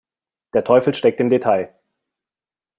Der Teufel steckt im Detail.